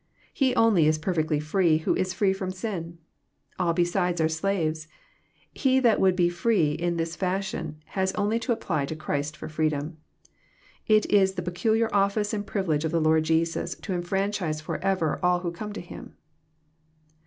He only is perfectly flree who is free from sin. All beside are slaves. He that would be tree in this fash ion has only to apply to Christ for freedom. It is the peculiar office and privilege of the Lord Jesus, to enfranchise forever all who come to Him.